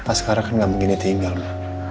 pas sekarang kan nggak mungkin dia tinggal ma